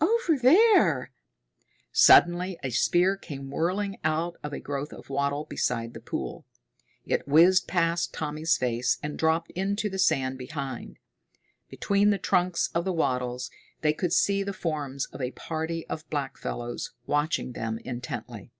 Over there!" Suddenly a spear came whirling out of a growth of wattle beside the pool. It whizzed past Tommy's face and dropped into the sand behind. Between the trunks of the wattles they could see the forms of a party of blackfellows, watching them intently.